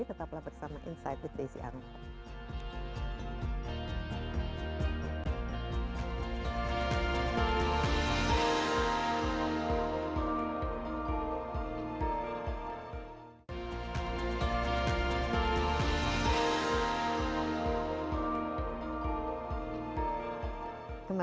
tetaplah bersama insight with desi angga